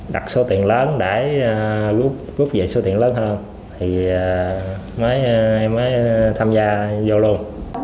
đặt số tiền lớn để rút về số tiền lớn hơn thì em mới tham gia vô luôn